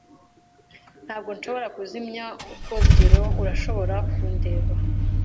Ntabwo nshobora kuzimya ubwogero. Urashobora kundeba?